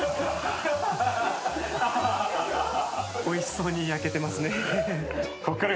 おいしそうに焼けてますね。